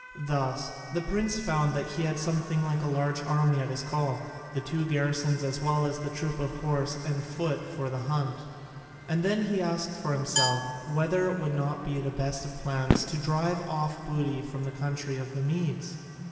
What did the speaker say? Thus the prince found that he had something like a large army at his call: the two garrisons as well as the troop of horse and foot for the hunt. And then he asked himself whether it would not be the best of plans to drive off booty from the country of the Medes?